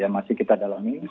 masih kita dalami